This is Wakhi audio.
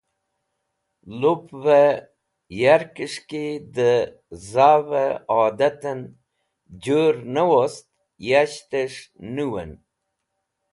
Lupvẽ yarkẽs̃h ki dẽzavẽ adatẽn Jũr ne wost yashtẽsh̃ nũwẽn.